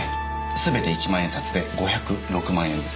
すべて一万円札で５０６万円です。